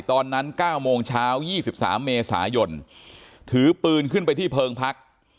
ตอนนั้น๙โมงเช้า๒๓เมษายนถือปืนขึ้นไปที่เพิงพัก